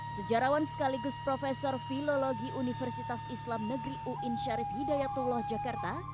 sejarawan sekaligus profesor fiologi universitas islam negeri uin syarif hidayatullah jakarta